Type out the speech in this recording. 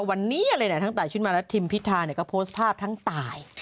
วันนี้อะไรแหละทั้งตายชุติมาแล้วทิมพิธาเนี่ยก็โพสภาพทั้งตาย